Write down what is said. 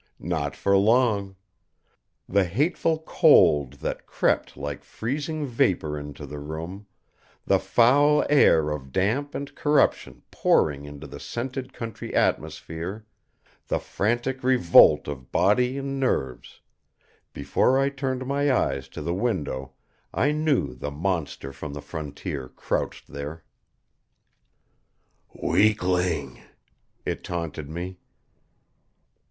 Not for long! The hateful cold that crept like freezing vapor into the room, the foul air of damp and corruption pouring into the scented country atmosphere, the frantic revolt of body and nerves before I turned my eyes to the window I knew the monster from the Frontier crouched there. "Weakling!" It taunted me.